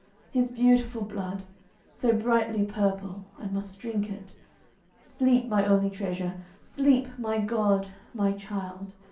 His beautiful blood, so brightly purple, I must drink it. Sleep, my only treasure! Sleep, my god, my child!